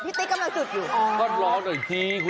พี่ติ๊กกำลังจุดอยู่